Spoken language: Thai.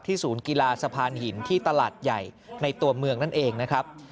ศูนย์กีฬาสะพานหินที่ตลาดใหญ่ในตัวเมืองนั่นเองนะครับ